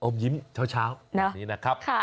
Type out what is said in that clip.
ยิ้มเช้าแบบนี้นะครับ